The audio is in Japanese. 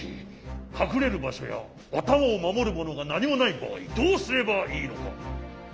かくれるばしょやあたまをまもるものがなにもないばあいどうすればいいのか！